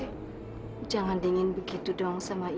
ibu mau apalagi sih jingin begitu dong ibu n américa